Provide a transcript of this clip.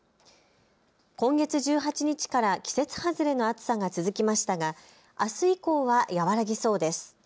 今月１８日から季節外れの暑さが続きましたがあす以降は和らぎそうです。